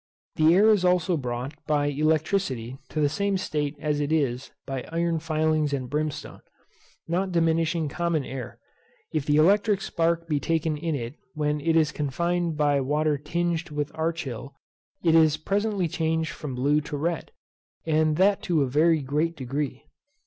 The air is also brought by electricity to the same state as it is by iron filings and brimstone, not diminishing common air. If the electric spark be taken in it when it is confined by water tinged with archil, it is presently changed from blue to red, and that to a very great degree.